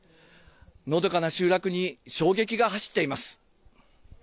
のどかな集落に、衝撃が走っています。